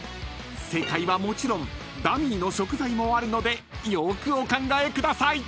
［正解はもちろんダミーの食材もあるのでよーくお考えください］